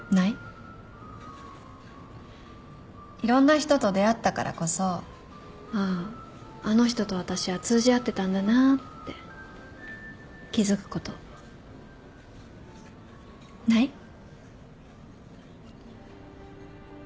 いろんな人と出会ったからこそあああの人と私は通じ合ってたんだなって気付くことない？